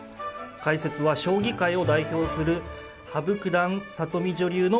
解説は将棋界を代表する羽生九段里見女流のお二人です。